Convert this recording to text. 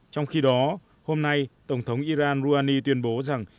trong khi đó hôm nay tổng thống iran rouhani tuyên bố rằng